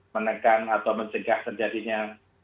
menekan atau mencegah terjadinya